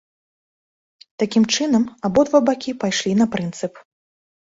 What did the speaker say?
Такім чынам, абодва бакі пайшлі на прынцып.